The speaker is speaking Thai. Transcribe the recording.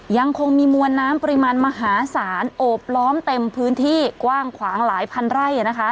ยังคงมีมวลน้ำปริมาณมหาศาลโอบล้อมเต็มพื้นที่กว้างขวางหลายพันไร่